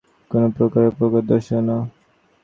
কিন্তু কোন প্রকারেই প্রতীকার দর্শিল না।